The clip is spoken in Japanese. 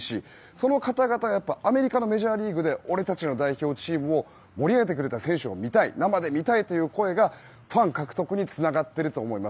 その方々は、アメリカのメジャーリーグで俺たちの代表チームを盛り上げてくれた選手を生で見たいという声がファン獲得につながっていると思います。